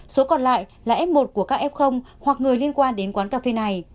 số còn lại là f một của các f hoặc người liên quan đến quán cà phê này